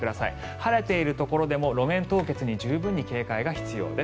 晴れているところでも路面凍結に十分警戒が必要です。